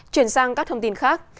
chuyển sang các thông tin khác